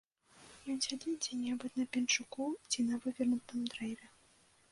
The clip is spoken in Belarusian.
Ён сядзіць дзе-небудзь на пенчуку ці на вывернутым дрэве.